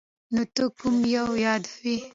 نو ته کوم یو یادوې ؟